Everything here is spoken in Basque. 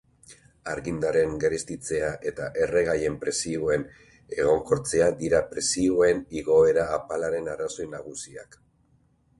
Argindarraren garestitzea eta erregaien prezioen egonkortzea dira prezioen igoera apalaren arrazoi nagusiak.